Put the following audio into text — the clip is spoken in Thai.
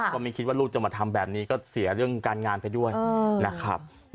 ก็ไม่คิดว่าลูกจะมาทำแบบนี้ก็เสียเรื่องการงานไปด้วยนะครับ